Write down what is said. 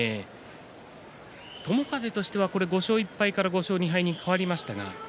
友風としては５勝１敗から５勝２敗に変わりました。